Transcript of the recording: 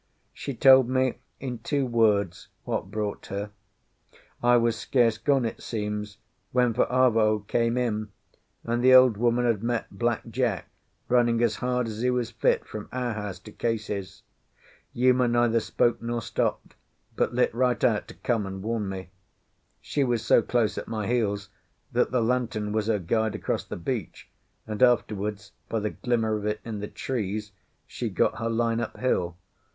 She told me in two words what brought her. I was scarce gone, it seems, when Fa'avao came in, and the old woman had met Black Jack running as hard as he was fit from our house to Case's. Uma neither spoke nor stopped, but lit right out to come and warn me. She was so close at my heels that the lantern was her guide across the beach, and afterwards, by the glimmer of it in the trees, she got her line up hill.